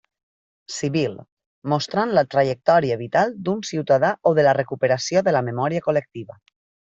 Civil: mostrant la trajectòria vital d'un ciutadà o de la recuperació de la memòria col·lectiva.